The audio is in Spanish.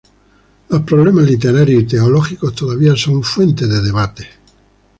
Los problemas literarios y teológicos todavía son fuente de debates.